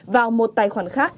vào một tài khoản khác